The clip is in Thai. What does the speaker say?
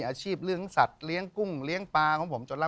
อาชีพเลี้ยงสัตว์เลี้ยงกุ้งเลี้ยงปลาของผมจนแล้ว